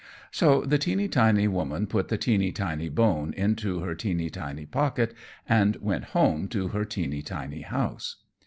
So the teeny tiny woman put the teeny tiny bone into her teeny tiny pocket, and went home to her teeny tiny house.